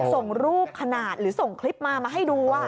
ส่งรูปขนาดหรือส่งคลิปมามาให้ดู